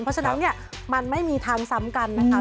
เพราะฉะนั้นเนี่ยมันไม่มีทางซ้ำกันนะคะ